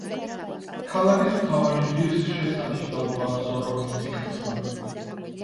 ქალაქის მთავარი ღირსშესანიშნაობაა სოროკის ციხესიმაგრე.